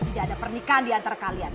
tidak ada pernikahan diantara kalian